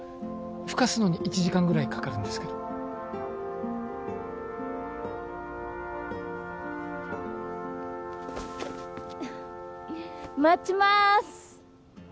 ふかすのに１時間ぐらいかかるんですけど待ちまーす！